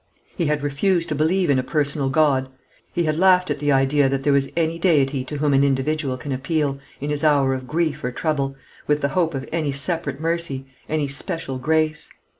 He had refused to believe in a personal God. He had laughed at the idea that there was any Deity to whom the individual can appeal, in his hour of grief or trouble, with the hope of any separate mercy, any special grace.